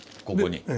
ここに。